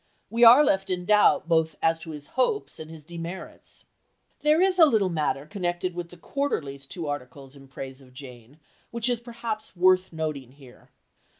We are left in doubt both as to his hopes and his demerits. There is a little matter connected with the Quarterly's two articles in praise of Jane which is perhaps worth noting here.